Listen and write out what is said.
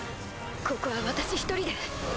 ここは私一人で。